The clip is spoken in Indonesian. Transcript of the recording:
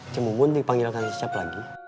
cimumun dipanggilkan siap lagi